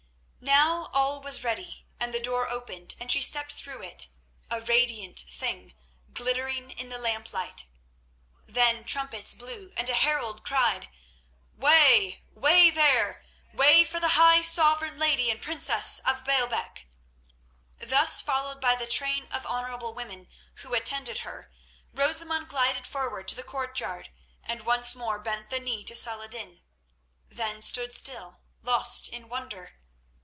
Now all was ready, and the door opened and she stepped through it, a radiant thing, glittering in the lamplight. Then trumpets blew and a herald cried: "Way! Way there! Way for the high sovereign lady and princess of Baalbec!" Thus followed by the train of honourable women who attended her, Rosamund glided forward to the courtyard, and once more bent the knee to Saladin, then stood still, lost in wonder.